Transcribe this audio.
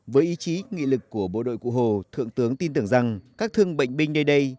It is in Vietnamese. với ý chí nghị lực của bộ đội cụ hồ thượng tướng tin tưởng rằng các thương bệnh binh nơi đây